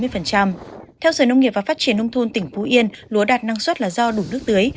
theo sở nông nghiệp và phát triển nông thôn tỉnh phú yên lúa đạt năng suất là do đủ nước tưới